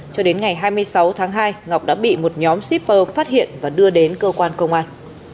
cho đến ngày hai mươi sáu tháng hai ngọc đã bị một nhóm shipper phát hiện và đưa đến cơ quan công an